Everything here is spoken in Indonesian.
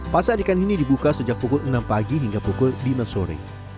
pasar ikan ini dibuka sejak pukul enam pagi hingga pukul lima sore